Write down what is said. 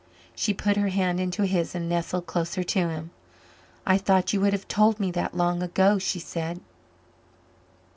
She put her hand into his and nestled closer to him. "I thought you would have told me that long ago," she said.